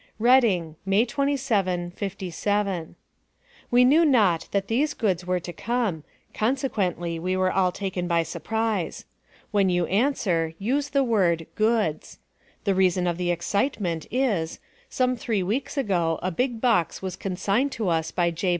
Reading, May 27, '57. We knew not that these goods were to come, consequently we were all taken by surprise. When you answer, use the word, goods. The reason of the excitement, is: some three weeks ago a big box was consigned to us by J.